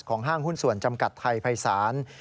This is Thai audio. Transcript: ห้างหุ้นส่วนจำกัดไทยภัยศาล